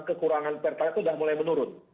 kekurangan pertalat itu udah mulai menurun